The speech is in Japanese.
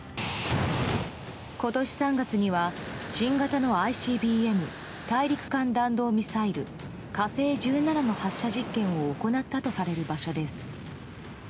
今年３月には新型のＩＣＢＭ・大陸間弾道ミサイル「火星１７」の発射実験を行ったとされる場所です。